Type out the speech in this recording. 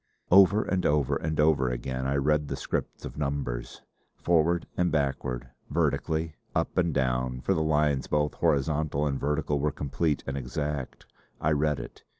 Over and over and over again I read the script of numbers. Forward and backward; vertically; up and down, for the lines both horizontal and vertical were complete and exact, I read it.